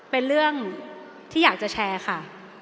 เป็นเรื่องที่อยากจะแชร์ค่ะ